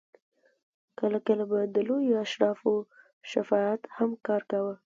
کله کله به د لویو اشرافو شفاعت هم کار کاوه.